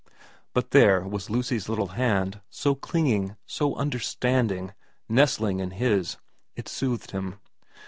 But there was Lucy's little hand, so clinging, so understanding, nestling in his. It soothed him.